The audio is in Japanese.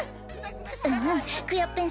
うんうんクヨッペン